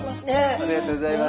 ありがとうございます。